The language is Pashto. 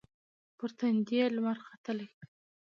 پر تندې یې لمر ختلي